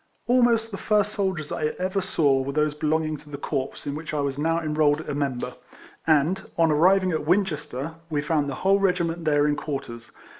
Almost the first soldiers I ever saw were those belonging to the corps in which I was now enrolled a member, and, on arriving at Winchester, we found the whole regiment there in quarters.